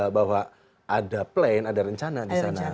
bahwa ada plan ada rencana di sana